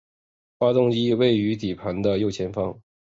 发动机位于底盘的右前方。